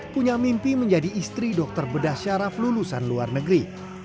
punya mimpi menjadi istri dokter bedah syaraf lulusan luar negeri